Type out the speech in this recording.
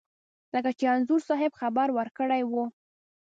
لکه چې انځور صاحب خبر ورکړی و.